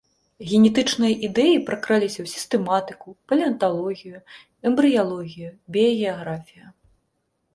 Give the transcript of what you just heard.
Генетычныя ідэі пракраліся ў сістэматыку, палеанталогію, эмбрыялогію, біягеаграфію.